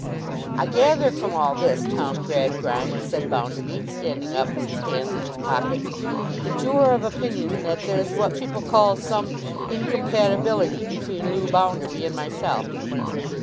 'I gather from all this, Tom Gradgrind,' said Bounderby, standing up with his hands in his pockets, 'that you are of opinion that there's what people call some incompatibility between Loo Bounderby and myself.